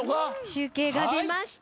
集計が出ました。